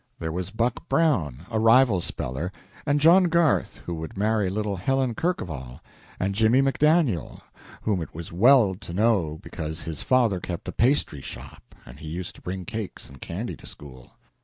There was Buck Brown, a rival speller, and John Garth, who would marry little Helen Kercheval, and Jimmy MacDaniel, whom it was well to know because his father kept a pastry shop and he used to bring cakes and candy to school.